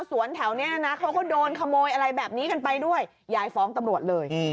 แถวนี้นะเขาก็โดนขโมยอะไรแบบนี้กันไปด้วยยายฟ้องตำรวจเลย